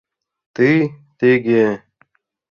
— Ты-тыге!